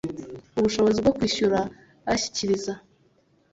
ubushobozi bwo kwishyura ashyikiriza